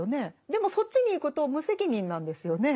でもそっちに行くと無責任なんですよね？